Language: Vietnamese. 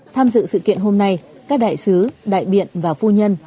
tham dự sự kiện hôm nay các đại sứ đại biện và phu nhân